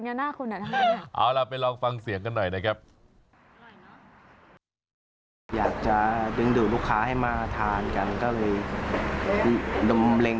อยากจะได้ดูลูกค้ากลงมาทานกันก็เลย